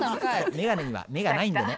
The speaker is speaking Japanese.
眼鏡には目がないんでね。